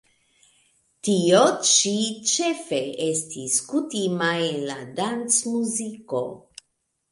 Tio ĉi ĉefe estis kutima en la dancmuziko.